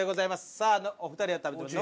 さあお二人は食べてます。